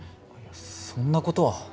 いやそんなことは。